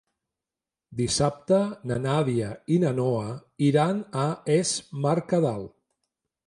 Dissabte na Nàdia i na Noa iran a Es Mercadal.